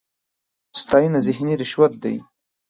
ستاېنه ذهني رشوت دی.